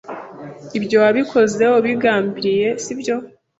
Ibyo wabikoze ubigambiriye, sibyo?